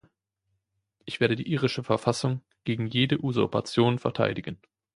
Ich werde die irische Verfassung gegen jede Usurpation verteidigen.